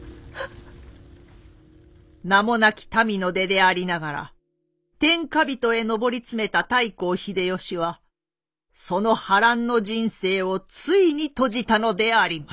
名もなき民の出でありながら天下人へ上り詰めた太閤秀吉はその波乱の人生をついに閉じたのであります。